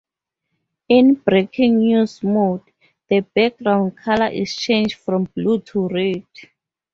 In breaking news mode, the background color is changed from blue to red.